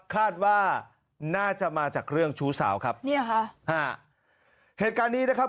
คาดว่าน่าจะมาจากเรื่องชู้สาวครับเนี่ยค่ะฮะเหตุการณ์นี้นะครับ